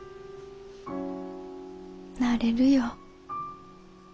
なれるよ。